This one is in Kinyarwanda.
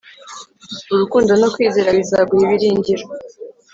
urukundo no kwizera bizaguha ibiringiro